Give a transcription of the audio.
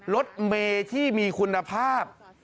รถเมที่มีคุณภาพ